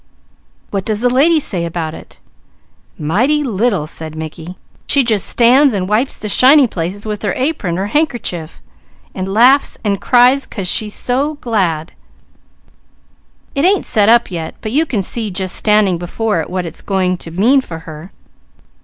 "What does the lady say about it?" "Mighty little!" said Mickey. "She just stands and wipes the shiny places with her apron or handkerchief, and laughs and cries, 'cause she's so glad. It ain't set up yet, but you can see just standing before it what it's going to mean for her.